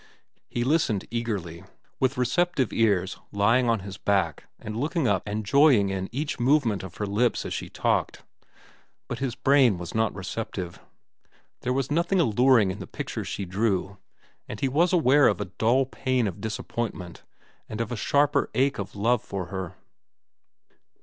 He listened eagerly, with receptive ears, lying on his back and looking up and joying in each movement of her lips as she talked. But his brain was not receptive. There was nothing alluring in the pictures she drew, and he was aware of a dull pain of disappointment and of a sharper ache of love for her.